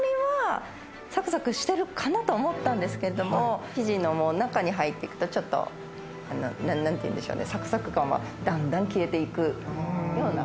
サクサクしているかなと思ったんですけれど、生地の中に入っていくと、ちょっとサクサク感はだんだん消えていく。